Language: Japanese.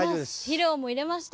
肥料も入れました。